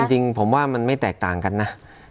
จริงผมว่ามันไม่แตกต่างกันนะ